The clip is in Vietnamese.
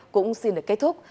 cũng xin được kết thúc